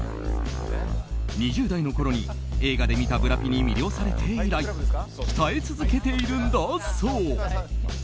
２０代のころに映画で見たブラピに魅了されて以来鍛え続けているんだそう。